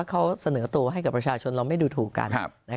เขาเสนอตัวให้กับประชาชนเราไม่ดูถูกกัน